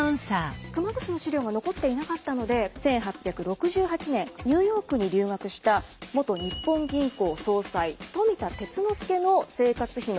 熊楠の資料が残っていなかったので１８６８年ニューヨークに留学した元日本銀行総裁富田鐡之助の生活費の内訳で見ていきます。